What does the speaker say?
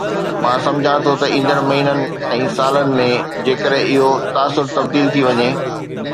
مان سمجهان ٿو ته ايندڙ مهينن ۽ سالن ۾، جيڪڏهن اهو تاثر تبديل ٿي وڃي.